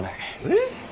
えっ。